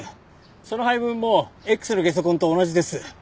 その配分もＸのゲソ痕と同じです。